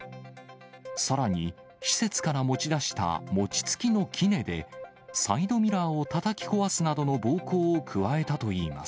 さらに施設から持ち出した餅つきのきねで、サイドミラーをたたき壊すなどの暴行を加えたといいます。